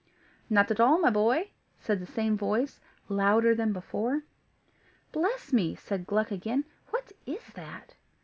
"Not at all, my boy," said the same voice, louder than before. "Bless me!" said Gluck again; "what is that?"